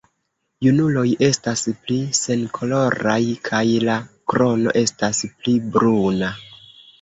Junuloj estas pli senkoloraj kaj la krono estas pli bruna.